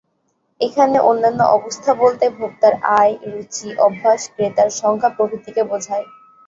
এখানে অন্যান্য অবস্থা বলতে ভোক্তার আয়, রুচি, অভ্যাস, ক্রেতার সংখ্যা প্রভৃতিকে বোঝায়।